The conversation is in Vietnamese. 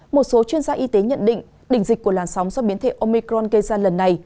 một số chuyên gia y tế nhận định đỉnh dịch của làn sóng do biến thể omicron gây ra lần này